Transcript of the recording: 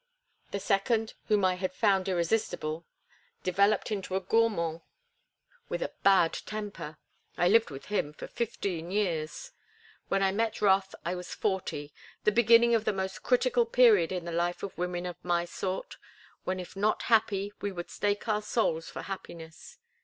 The second, whom I had found irresistible, developed into a gourmand with a bad temper. I lived with him for fifteen years. When I met Rothe I was forty, the beginning of the most critical period in the life of women of my sort—when if not happy we would stake our souls for happiness.